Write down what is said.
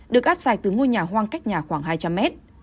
được áp dài từ ngôi nhà hoang cách nhà khoảng hai trăm linh mét